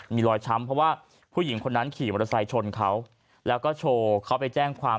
มีรอยช้ำเพราะว่าผู้หญิงคนนั้นขี่มอเตอร์ไซค์ชนเขาแล้วก็โชว์เขาไปแจ้งความ